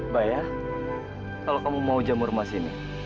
bayah kalau kamu mau jamur emas ini